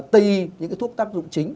tây y những cái thuốc tác dụng chính